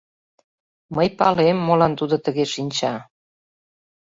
Мый палем, молан тудо тыге шинча.